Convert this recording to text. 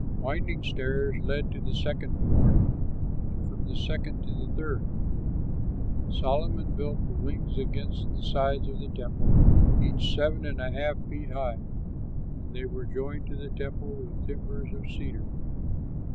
Winding stairs led to the second floor, and from the second to the third. Solomon built the wings against the sides of the temple, each seven and a half feet high; and they were joined to the temple with timbers of cedar.